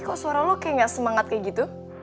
kok suara lo kayak gak semangat kayak gitu